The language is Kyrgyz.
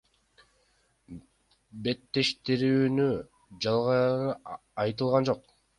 Беттештирүүнүн жагдайлары айтылган жок.